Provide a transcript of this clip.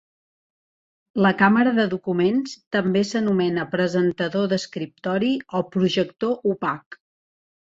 La càmera de documents també s'anomena presentador d'escriptori o projector opac.